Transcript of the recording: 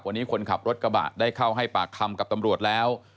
วันนี้คนขับรถกระบะได้เข้าให้ปากคำกับตำรวจแล้ว